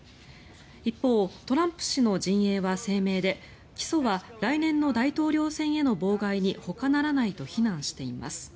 一方、トランプ氏の陣営は声明で起訴は来年の大統領選への妨害にほかならないと非難しています。